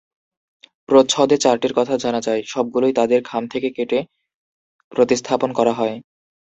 প্রচ্ছদে চারটির কথা জানা যায়; সবগুলোই তাদের খাম থেকে কেটে প্রতিস্থাপন করা হয়।